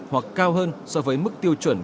hoặc cao hơn so với mức tiêu chuẩn